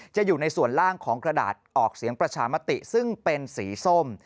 อยู่ในส่วนล่างของกระดาษออกเสียงประชามติซึ่งเป็นสีส้ม